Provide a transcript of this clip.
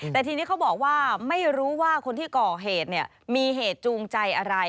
แต่ทีนี้เขาบอกว่าไม่รู้ว่าคนที่ก่อเหตุมีเหตุจูงใจอะไร